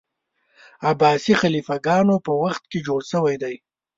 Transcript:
عباسي خلیفه ګانو په وخت کي جوړ سوی دی.